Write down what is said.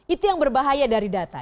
itu yang berbahaya dari data